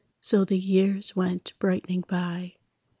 So the years went brightening by.